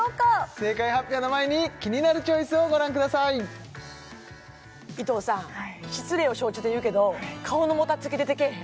正解発表の前に「キニナルチョイス」をご覧ください伊藤さん失礼を承知で言うけど顔のもたつき出てけえへん？